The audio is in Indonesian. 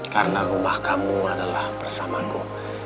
karena rumah kamu adalah bersamaku